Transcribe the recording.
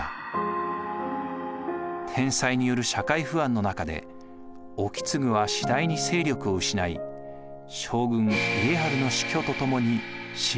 天災による社会不安の中で意次は次第に勢力を失い将軍・家治の死去とともに失脚しました。